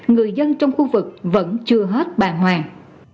người dân trong khu vực vẫn chưa hết bàng hoàng